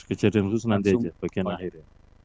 kejadian khusus nanti aja bagian akhirnya